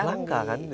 hanbangka kan itu dia